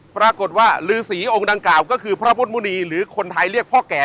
ปรากฏว่าฤษีองค์ดังกล่าวก็คือพระพฤตมุณีหรือคนไทยเรียกพ่อแก่นั่นแหละ